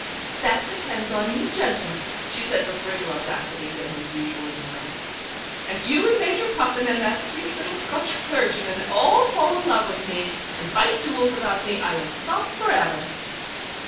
"That depends on you gentlemen," she said with greater audacity than was usual in Tilling. "If you and Major Puffin and that sweet little Scotch clergyman all fall in love with me, and fight duels about me, I will stop for ever.